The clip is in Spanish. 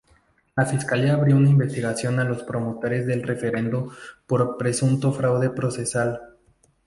La Fiscalía abrió una investigación a los promotores del referendo por presunto fraude procesal.